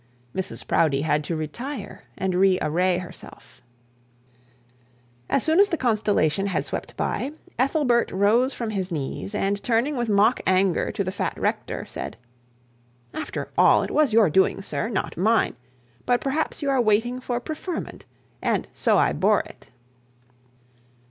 Mrs Proudie had to retire to re array herself. As soon as the constellation had swept by, Ethelbert rose from his knees, and turning with mock anger to the fat rector, said: 'After all it was your doing, sir not mine. But perhaps you are waiting for preferment, and so I bore it.'